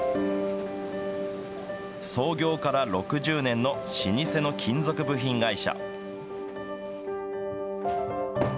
創業から６０年の老舗の金属部品会社。